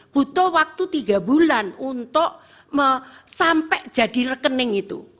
butuh waktu tiga bulan untuk sampai jadi rekening itu